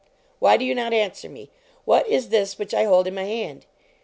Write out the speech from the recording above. Why do you not answer me? What is this which I hold in my hand?"